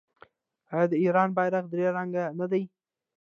آیا د ایران بیرغ درې رنګه نه دی؟